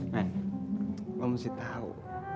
man lo mesti tahu